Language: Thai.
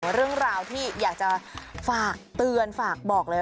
เรื่องราวที่อยากจะฝากเตือนฝากบอกเลย